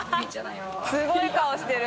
すごい顔してる。